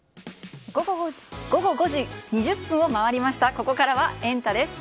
ここからはエンタ！です。